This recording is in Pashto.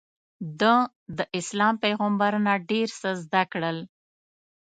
ده داسلام پیغمبر نه ډېر څه زده کړل.